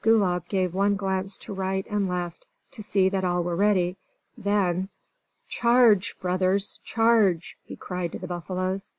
Gulab gave one glance to right and left, to see that all were ready. Then "Charge, brothers, charge!" he cried to the buffaloes.